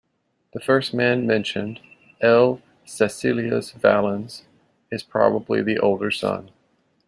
The first man mentioned, L. Caecilius Valens, is probably the older son.